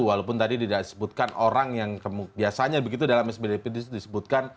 walaupun tadi tidak disebutkan orang yang biasanya begitu dalam spdp disebutkan